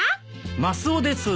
マスオです。